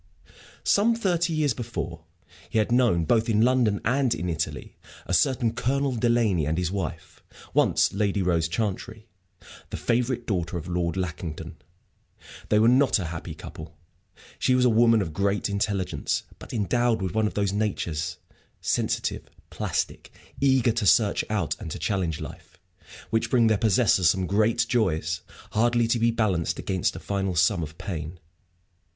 Some thirty years before, he had known, both in London and in Italy, a certain Colonel Delaney and his wife, once Lady Rose Chantrey, the favorite daughter of Lord Lackington. They were not a happy couple. She was a woman of great intelligence, but endowed with one of those natures sensitive, plastic, eager to search out and to challenge life which bring their possessors some great joys, hardly to be balanced against a final sum of pain.